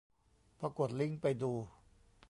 พอกดลิงก์ไปดู